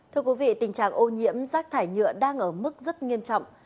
thưa quý vị tình trạng ô nhiễm rác thải nhựa đang ở mức rất nghiêm trọng